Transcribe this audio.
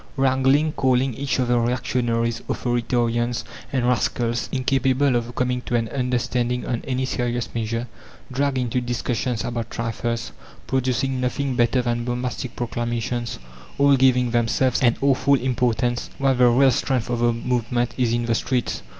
Wrangling, calling each other reactionaries, authoritarians, and rascals, incapable of coming to an understanding on any serious measure, dragged into discussions about trifles, producing nothing better than bombastic proclamations; all giving themselves an awful importance while the real strength of the movement is in the streets.